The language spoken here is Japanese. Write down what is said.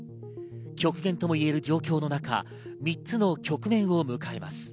極限ともいえる状況の中、３つの局面を迎えます。